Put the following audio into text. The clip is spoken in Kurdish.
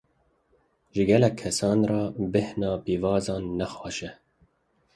Ji gelek kesan re, bêhna pîvazan ne xweş e.